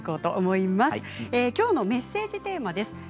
きょうのメッセージテーマです。